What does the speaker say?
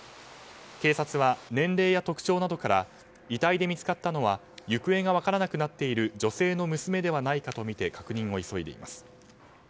警察は、年齢や特徴などから遺体で見つかったのは行方が分からなくなっている女性の娘ではないかとみて確認を急いでいます。